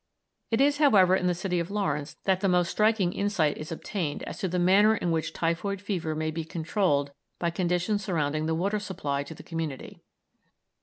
It is, however, in the city of Lawrence that the most striking insight is obtained as to the manner in which typhoid fever may be controlled by conditions surrounding the water supply to the community.